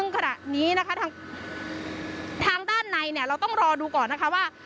ก็แบบนี้นะคะทางด้านในเนี่ยเราต้องรอดูก่อนนะคะว่า